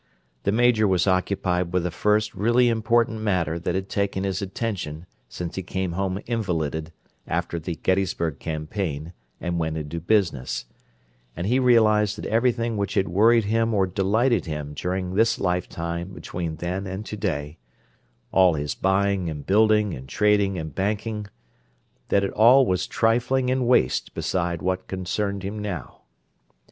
The Major was occupied with the first really important matter that had taken his attention since he came home invalided, after the Gettysburg campaign, and went into business; and he realized that everything which had worried him or delighted him during this lifetime between then and to day—all his buying and building and trading and banking—that it all was trifling and waste beside what concerned him now.